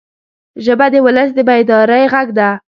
ژبه د ولس د بیدارۍ غږ ده